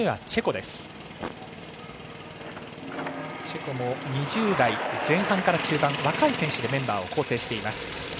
チェコも２０代前半から中盤若い選手でメンバーを構成しています。